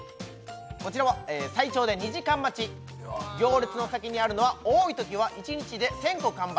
こちらは最長で２時間待ち行列の先にあるのは多いときは１日で１０００個完売